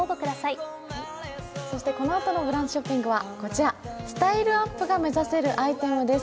そしてこのあとのブランチショッピングはこちら、スタイルアップが目指せるアイテムです。